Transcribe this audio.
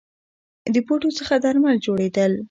د بوټو څخه درمل جوړیدل